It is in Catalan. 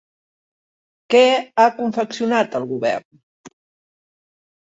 Què ha confeccionat el govern?